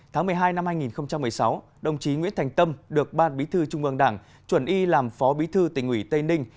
tháng một mươi hai năm hai nghìn một mươi sáu đồng chí nguyễn thành tâm được ban bí thư trung ương đảng chuẩn y làm phó bí thư tỉnh ủy tây ninh